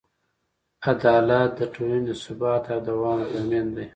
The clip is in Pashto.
عدالت د ټولنې د ثبات او دوام ضامن دی.